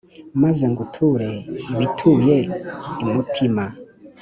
Maze nguture ibituye imutima